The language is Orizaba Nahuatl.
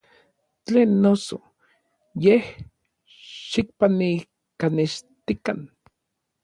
Tlen noso, yej xikpanijkanextikan.